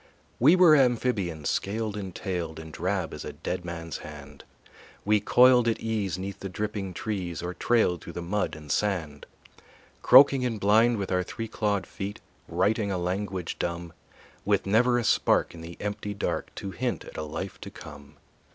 We were amphibians, scaled and tailed, And drab as a dead man's hand; We coiled at ease 'neath the dripping trees Or trailed through the mud and sand. Croaking and blind, with our three clawed feet Writing a language dumb, With never a spark in the empty dark To hint at a life to come.